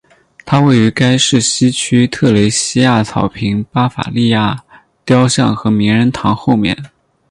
它位于该市西区特蕾西娅草坪巴伐利亚雕像和名人堂后面。